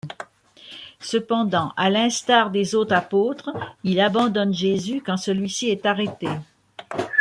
Cependant, à l'instar des autres apôtres, il abandonne Jésus quand celui-ci est arrêté.